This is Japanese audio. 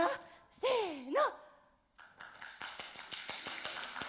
せの！